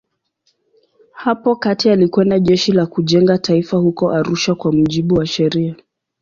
Hapo kati alikwenda Jeshi la Kujenga Taifa huko Arusha kwa mujibu wa sheria.